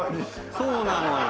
そうなのよ。